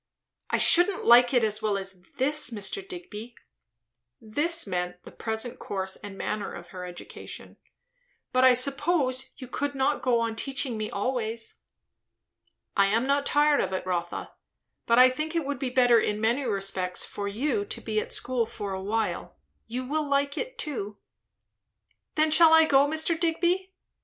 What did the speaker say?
"I shouldn't like it as well as this, Mr. Digby," ("this" meant the present course and manner of her education;) "but I suppose you could not go on teaching me always." "I am not tired of it, Rotha; but I think it would be better in many respects for you to be at school for a while. You will like it, too." "When shall I go, Mr. Digby?"